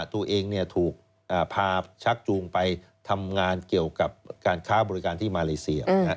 ตัวเองถูกพาชักจูงไปทำงานเกี่ยวกับการค้าบริการที่มาเลเซีย